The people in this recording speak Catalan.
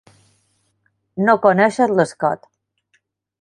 No coneixes l'Scott.